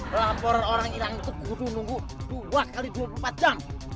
laporan orang hilang itu kudu nunggu dua x dua puluh empat jam